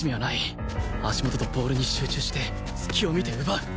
足元とボールに集中して隙を見て奪う！